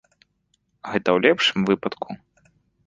Гэта ў лепшым выпадку.